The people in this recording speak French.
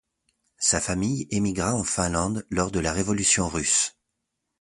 Sa famille émigra en Finlande lors de la Révolution russe.